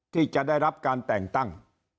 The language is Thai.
ที่จะได้รับการแต่งตั้ง